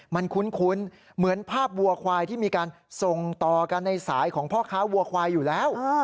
มันคุ้นเหมือนภาพวัวควายที่มีการส่งต่อกันในสายของพ่อค้าวัวควายอยู่แล้ว